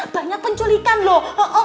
banyak penculikan loh